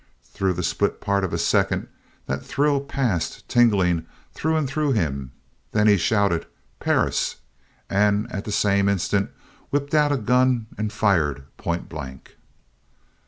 Through the split part of a second that thrill passed tingling through and through him, then he shouted: "Perris!" and at the same instant whipped out the gun and fired pointblank.